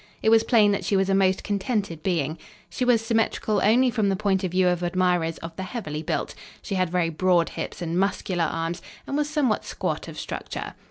It was plain that she was a most contented being. She was symmetrical only from the point of view of admirers of the heavily built. She had very broad hips and muscular arms and was somewhat squat of structure.